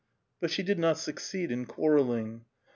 But she did not succeed in quarrelling.